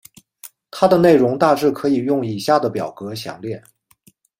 它的内容大致可以用以下的表格详列。